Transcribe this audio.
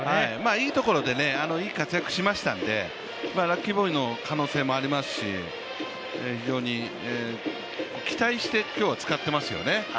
いいところでいい活躍をしましたのでラッキーボーイの可能性ありますし、非常に今日は期待して使っていますよね。